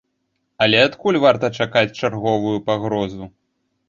Але адкуль варта чакаць чарговую пагрозу?